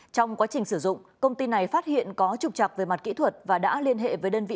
trong quá trình sử dụng công ty này phát hiện có trục trặc về mặt kỹ thuật và đã liên hệ với đơn vị